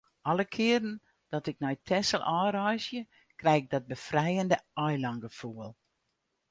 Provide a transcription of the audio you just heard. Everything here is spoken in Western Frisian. Alle kearen dat ik nei Texel ôfreizgje, krij ik dat befrijende eilângefoel.